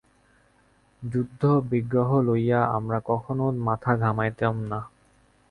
যুদ্ধ-বিগ্রহ লইয়া আমরা কখনও মাথা ঘামাইতাম না।